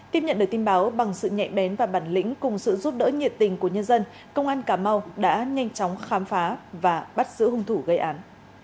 tiếp nhận được tin báo bằng sự nhẹ bén và bản lĩnh cùng sự giúp đỡ nhiệt tình của nhân dân công an cà mau đã nhanh chóng khám phá và bắt giữ hung thủ gây án